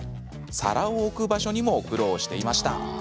皿を置く場所にも苦労していました。